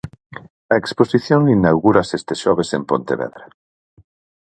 A exposición inaugúrase este xoves en Pontevedra.